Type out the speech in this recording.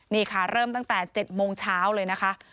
นี่ค่ะเริ่มตั้งแต่๗โมงเช้าเลยนะคะ